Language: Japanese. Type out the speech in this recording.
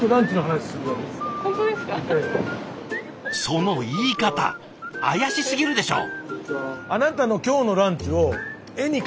その言い方怪しすぎるでしょ！